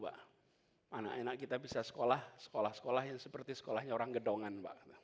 anak anak kita bisa sekolah sekolah sekolah yang seperti sekolahnya orang gedongan